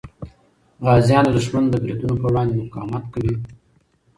غازیان د دښمن د بریدونو په وړاندې مقاومت کوي.